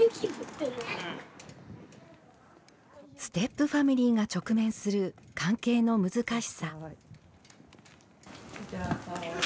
ステップファミリーが直面する関係の難しさ。